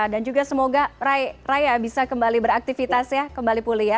dan juga semoga raya bisa kembali beraktifitas ya kembali pulih ya